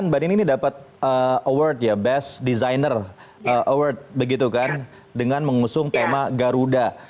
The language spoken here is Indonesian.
mbak nini ini dapat award ya best designer award begitu kan dengan mengusung tema garuda